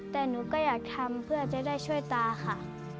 แต่หนูก็อยากทำเพื่อจะได้ช่วยตาค่ะ